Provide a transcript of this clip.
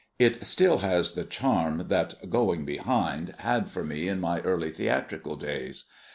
It has still the charm that "going behind" had for me in my early theatrical days.